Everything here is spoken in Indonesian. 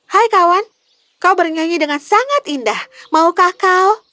hai kawan kau bernyanyi dengan sangat indah maukah kau